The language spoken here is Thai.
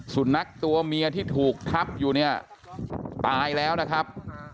สุนัขตัวเมียที่ถูกทับอยู่เนี่ยตายแล้วนะครับ